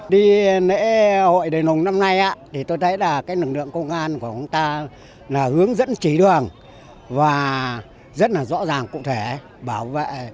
đi lễ hội đền hùng năm nay thì tôi thấy là cái lực lượng công an của chúng ta là hướng dẫn chỉ đường và rất là rõ ràng cụ thể bảo vệ